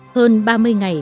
hơn ba mươi ngày